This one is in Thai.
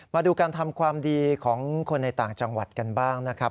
มาดูการทำความดีของคนในต่างจังหวัดกันบ้างนะครับ